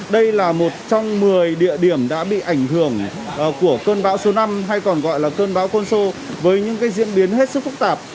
đây là một trong một mươi địa điểm đã bị ảnh hưởng của cơn bão số năm hay còn gọi là cơn bão côn sô với những diễn biến hết sức phức tạp